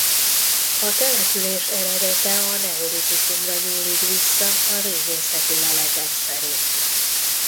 A település eredete a neolitikumra nyúlik vissza a régészeti leletek szerint.